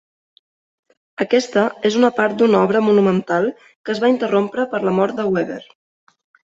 Aquesta és una part d'una obra monumental que es va interrompre per la mort de Weber.